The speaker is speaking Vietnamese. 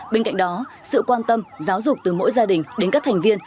bên cạnh đó sự quan tâm giáo dục từ mỗi gia đình đến các thành viên